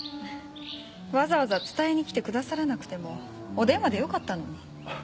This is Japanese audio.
わざわざ伝えに来てくださらなくてもお電話でよかったのに。